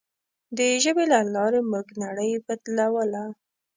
د ژبې له لارې موږ نړۍ بدلوله.